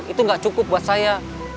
itu nggak cukup buat saya